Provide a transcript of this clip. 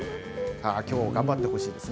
今日も頑張ってほしいですね。